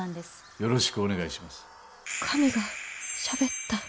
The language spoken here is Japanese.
よろしくお願いします。